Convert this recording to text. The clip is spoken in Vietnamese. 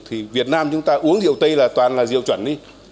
thì việt nam chúng ta uống rượu tây là toàn là rượu chuẩn đi